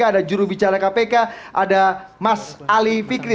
ada jurubicara kpk ada mas ali fikri